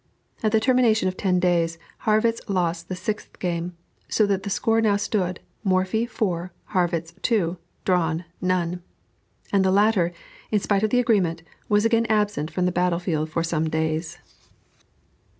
At the termination of ten days, Harrwitz lost the sixth game, so that the score now stood Morphy, four; Harrwitz, two; drawn, none. And the latter, in spite of the agreement, was again absent from the battle field for some days.